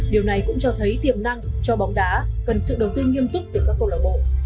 điều này cũng cho thấy tiềm năng cho bóng đá cần sự đầu tư nghiêm túc từ các câu lạc bộ